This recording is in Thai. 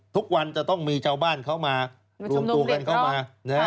ทุกวันจะต้องมีชาวบ้านเข้ามารวมตัวกันเข้ามา